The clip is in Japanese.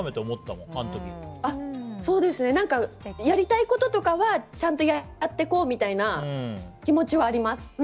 やりたいこととかはちゃんとやっていこうみたいな気持ちはあります。